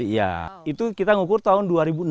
iya itu kita ngukur tahun dua ribu enam